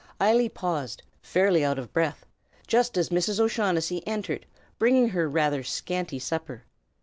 Eily paused, fairly out of breath, just as Mrs. O'Shaughnessy entered, bringing her rather scanty supper.